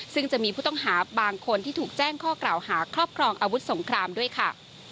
ซึ่งจะมีผู้ต้องหาบางคนที่ถูกแจ้งข้อกล่าวหาครอบครองอาวุธสงครามด้วยค่ะ